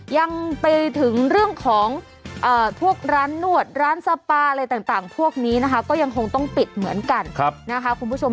ยังไปถึงเรื่องของพวกร้านนวดร้านสปาอะไรต่างพวกนี้นะคะก็ยังคงต้องปิดเหมือนกันนะคะคุณผู้ชม